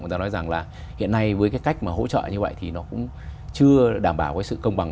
người ta nói rằng là hiện nay với cách hỗ trợ như vậy thì nó cũng chưa đảm bảo sự công bằng